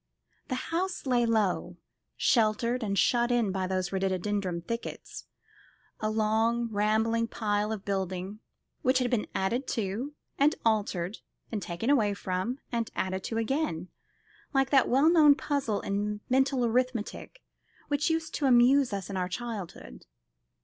The house lay low, sheltered and shut in by those rhododendron thickets, a long, rambling pile of building, which had been added to, and altered, and taken away from, and added to again, like that well known puzzle in mental arithmetic which used to amuse us in our childhood.